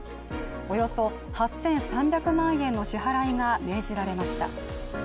およそ８３００万円の支払いが命じられました。